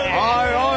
おい